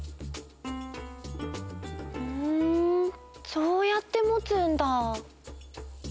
ふんそうやってもつんだ。